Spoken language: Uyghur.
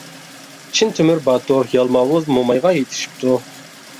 چىن تۆمۈر باتۇر يالماۋۇز مومايغا يېتىشىپتۇ.